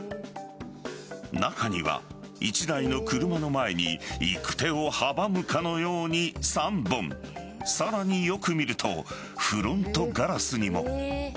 中には１台の車の前に行く手を阻むかのように３本さらによく見るとフロントガラスにも。